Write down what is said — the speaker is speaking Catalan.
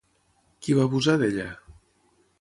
Qui va abusar d'ella?